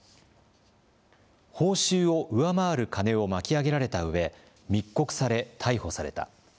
報酬を上回る金を巻きあげられたうえ、密告され、逮捕された。